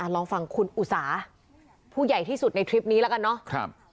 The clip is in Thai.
ลองฟังคุณอุสาผู้ใหญ่ที่สุดในทริปนี้แล้วกันเนาะ